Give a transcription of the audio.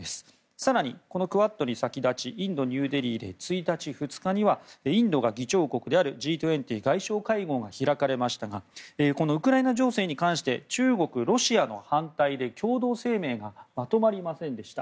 更に、このクアッドに先立ちインド・ニューデリーで１日、２日にはインドが議長国であるＧ２０外相会合が開かれましたがこのウクライナ情勢に関して中国、ロシアの反対で共同声明がまとまりませんでした。